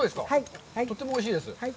とてもおいしいです。